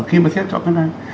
khi mà xét cho cái này